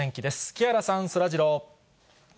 木原さん、そらジロー。